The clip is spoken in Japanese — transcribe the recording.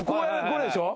これでしょ？